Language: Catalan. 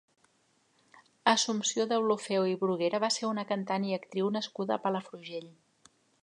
Assumpció Deulofeu i Bruguera va ser una cantant i actriu nascuda a Palafrugell.